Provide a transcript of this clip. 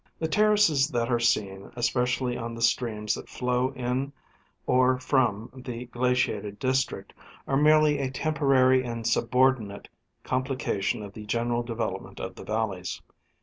The terraces that are seen, especially on the streams that flow in or from the glaciated district, are merely a temporary and subor dinate complication of the general development of the valleys.